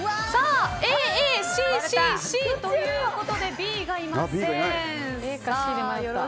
Ａ、Ａ、Ｃ、Ｃ、ＣということでＢがいません。